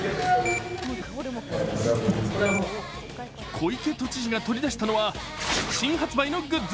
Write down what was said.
小池都知事が取り出したのは新発売のグッズ。